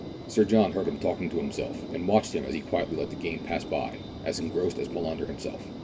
Sir John heard him talking to himself, and watched him as he quietly let the game pass by, as engrossed as Palander himself.